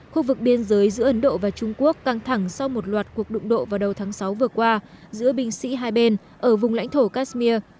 khu vực biên giới giữa ấn độ và trung quốc căng thẳng sau một loạt cuộc đụng độ vào đầu tháng sáu vừa qua giữa binh sĩ hai bên ở vùng lãnh thổ kashmir